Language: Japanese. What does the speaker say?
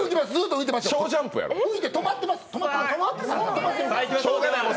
浮いて止まってます。